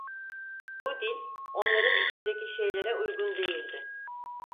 Bu dil, onların içindeki şeylere uygun değildi.